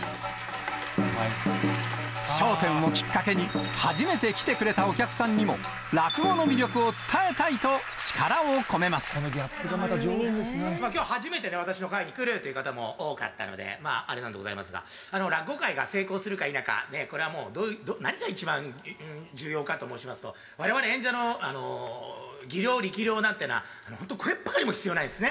笑点をきっかけに、初めて来てくれたお客さんにも、落語の魅力をきょう初めてね、私の会に来るっていう方も多かったので、まあ、あれなんでございますが、落語会が成功するか否か、これはもう、何が一番重要かと申しますと、われわれ演者の技量、力量なんてのは、本当、これっぱかりも必要ないですね。